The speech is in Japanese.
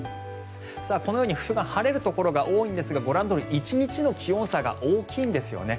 このように晴れるところが多いんですがご覧のように１日の気温差が大きいんですよね。